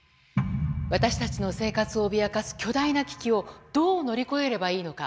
私たちの生活を脅かす巨大な危機をどう乗り越えればいいのか。